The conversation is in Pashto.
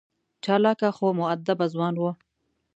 چالاکه خو مودبه ځوان و.